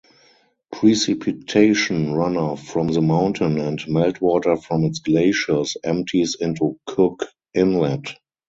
Precipitation runoff from the mountain and meltwater from its glaciers empties into Cook Inlet.